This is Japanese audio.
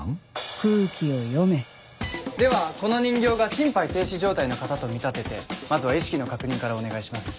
空気を読めではこの人形が心肺停止状態の方と見立ててまずは意識の確認からお願いします。